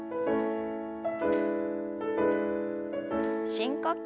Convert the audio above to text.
深呼吸。